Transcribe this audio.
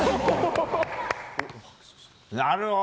なるほど。